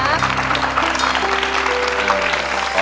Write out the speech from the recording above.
สวัสดีครับ